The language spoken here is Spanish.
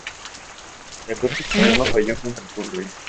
La Corte Suprema falló contra Turner.